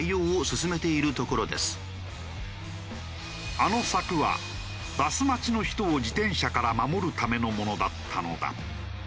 あの柵はバス待ちの人を自転車から守るためのものだったのだ。